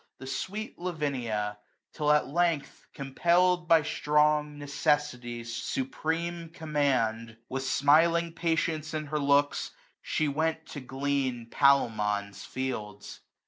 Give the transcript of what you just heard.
The sweet Lavinia ; till, at length, compell'd By strong Necessity's supreme command, 215 With smiling patience in her looks, she went To glean Palemon's fields.